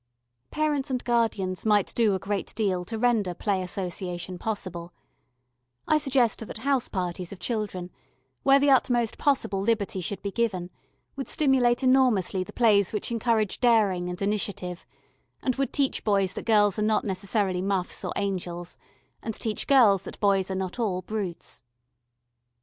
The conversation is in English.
Parents and guardians might do a great deal to render play association possible: I suggest that house parties of children, where the utmost possible liberty should be given, would stimulate enormously the plays which encourage daring and initiative, and would teach boys that girls are not necessarily muffs or angels, and teach girls that boys are not all brutes.